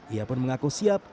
ia pun mengaku siap